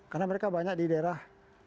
karena mereka banyak di daerah